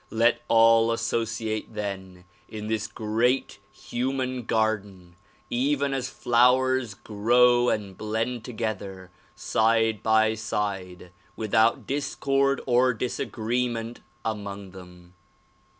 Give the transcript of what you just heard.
Let all associate then in this great human garden even as flowers grow and blend together side by side without discord or disagreement among them.